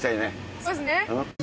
そうですね。